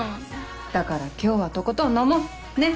だから今日はとことん飲もうねっ。